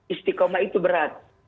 istikomah itu berat